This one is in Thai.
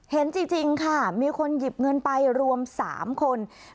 จริงค่ะมีคนหยิบเงินไปรวม๓คน